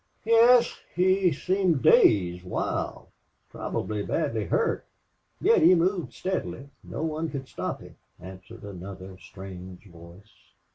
"Yes. He seemed dazed wild. Probably badly hurt. Yet he moved steadily. No one could stop him," answered another strange voice.